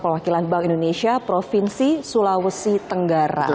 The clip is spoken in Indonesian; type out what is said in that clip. perwakilan bank indonesia provinsi sulawesi tenggara